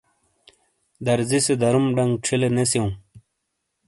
دَرزی سے دَرُم ڈَنگ چھِیلے نے سِیَؤں۔